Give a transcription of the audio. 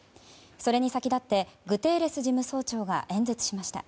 それに先立ってグテーレス事務総長が演説しました。